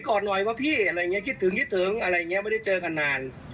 อดหน่อยว่าพี่อะไรอย่างนี้คิดถึงคิดถึงอะไรอย่างนี้ไม่ได้เจอกันนาน